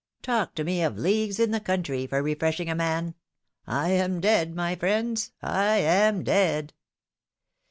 talk to me of leagues in the country for refreshing a man ! I am dead, my friends, I am dead